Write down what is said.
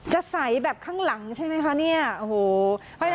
จะใส่แบบข้างหลังใช่ไหมคะ